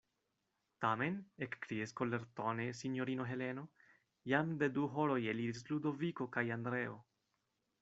Tamen, ekkriis kolertone sinjorino Heleno, jam de du horoj eliris Ludoviko kaj Andreo.